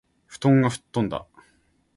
布団が吹っ飛んだ。（まじで）